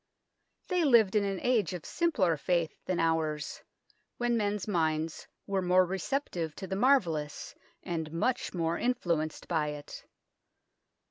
They lived in an age of simpler faith than ours, when men's minds were more receptive to the marvellous, and much more influenced by it.